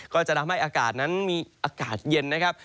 ก็จะทำให้อากาศนั้นมีอากาศเย็นนะครับ